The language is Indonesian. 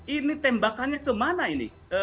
ini tembakannya kemana ini